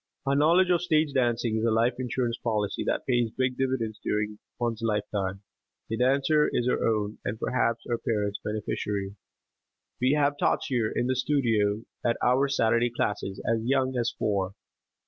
A knowledge of stage dancing is a life insurance policy that pays big dividends during one's lifetime. The dancer is her own and perhaps her parents' beneficiary. We have tots here in the studio at our Saturday classes as young as four.